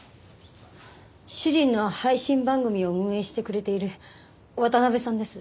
主人の配信番組を運営してくれている渡辺さんです。